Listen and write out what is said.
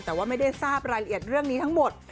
แต่ว่าไม่ได้ทราบรายละเอียดเรื่องนี้ทั้งหมด